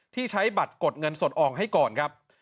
ที่ใช้บัตรกดเงินสดออกให้ก่อนครับ